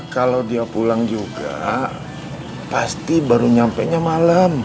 kalau dia pulang juga pasti baru nyampe nya malam